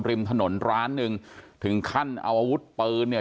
ริมถนนร้านหนึ่งถึงขั้นเอาอาวุธปืนเนี่ย